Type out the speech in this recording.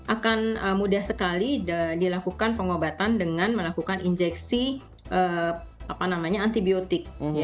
akan mudah sekali dilakukan pengobatan dengan melakukan injeksi antibiotik